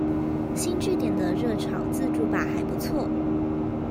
星聚點的熱炒自助吧還不錯